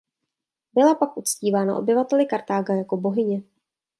Byla pak uctívána obyvateli Kartága jako bohyně.